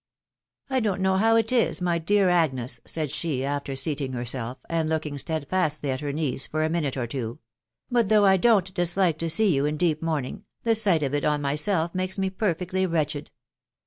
" I don't know how it is, my dear Agnes/' said she, after seating herself, and looking steadfastly at her niece for a mi nute or two ;" but though I don't dislike to see you in deep mourning, the sight of it on myself makes me perfectly wretched